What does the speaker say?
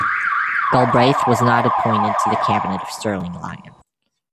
Galbraith was not appointed to the cabinet of Sterling Lyon.